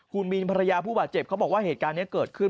คุณมีนภรรยาผู้บาดเจ็บเขาบอกว่าเหตุการณ์นี้เกิดขึ้น